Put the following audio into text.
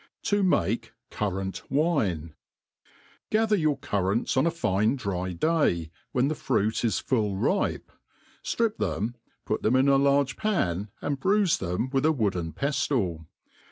7i make Currant Irine. GATHER your ciirrants on a fine dry day, when the fruit . li full ripe ; ftrip them, put them in a large pan, and brusfe them with a wooden peftle.